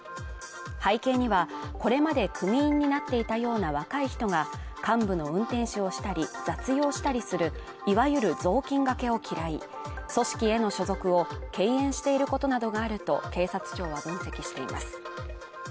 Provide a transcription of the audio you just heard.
背景には、これまで組員になっていたような若い人が幹部の運転手をしたり、雑用したりする、いわゆる雑巾がけを嫌い、組織への所属を敬遠していることなどがあると警察庁は分析しています。